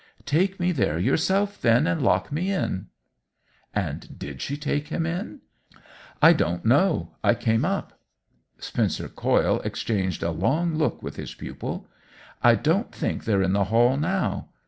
"* Take me there yourself, then, and lock me m !" And did she take him ?"" I don't know — I came up." Spencer Coyle exchanged a long look with his pupil. "I don't think they're in the hall now.